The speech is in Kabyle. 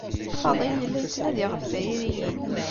Faḍil yella yettnadi ɣef tririyin.